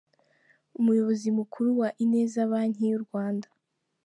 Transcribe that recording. Umuyobozi Mukuru wa Ineza banki y’u Rwanda.